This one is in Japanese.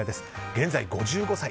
現在、５５歳。